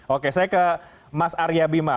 oke saya ke mas aryabima